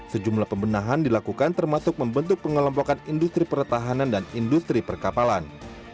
sejumlah pembenahan dilakukan termasuk membentuk pengelompokan industri pertahanan dan industri perkapalan